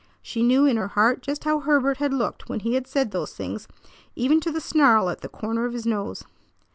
She knew in her heart just how Herbert had looked when he had said those things, even to the snarl at the corner of his nose.